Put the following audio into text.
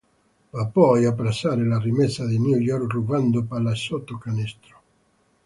Va poi a pressare la rimessa di New York rubando palla sotto canestro.